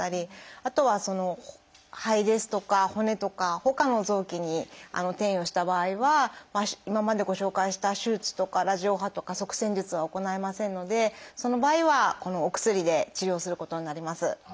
あとは肺ですとか骨とかほかの臓器に転移をした場合は今までご紹介した手術とかラジオ波とか塞栓術は行えませんのでその場合はこのお薬で治療をすることになります。